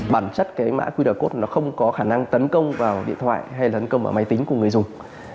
bản chất cái mã qr code nó không có khả năng tấn công vào điện thoại hay là tấn công vào máy tính của người dùng